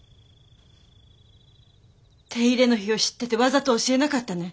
手入れの日を知っててわざと教えなかったね？